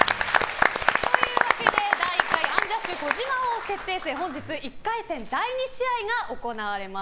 第１回アンジャッシュ児嶋王決定戦本日、１回戦第２試合が行われます。